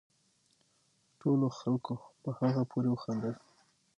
ټولو خلقو په هغه پورې وخاندل